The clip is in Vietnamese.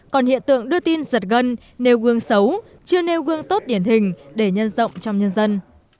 còn hiện tượng đưa tin giật gân nêu gương xấu chưa nêu gương tốt điển hình để nhân rộng trong nhân dân